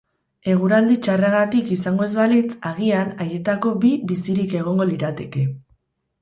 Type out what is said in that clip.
Eguraldi txarragatik izango ez balitz, agian, haietako bi bizirik egongo lirateke.